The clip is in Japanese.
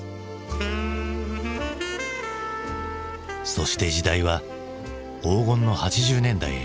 そして時代は黄金の８０年代へ。